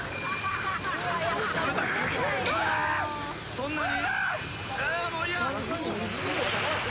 そんなに？